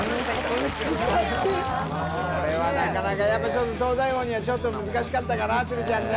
これはなかなかやっぱちょっと東大王には難しかったかな鶴ちゃんね